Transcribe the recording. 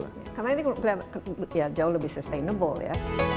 karena ini jauh lebih sustainable ya